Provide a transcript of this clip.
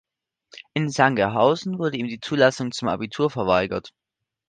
In Sangerhausen wurde ihm die Zulassung zum Abitur verweigert.